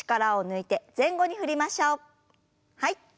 はい。